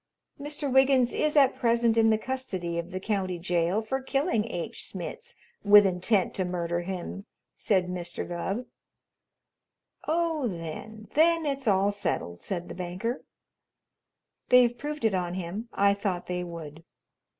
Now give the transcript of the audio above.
"Mr. Wiggins is at present in the custody of the county jail for killing H. Smitz with intent to murder him," said Mr. Gubb. "Oh, then then it's all settled," said the banker. "They've proved it on him. I thought they would.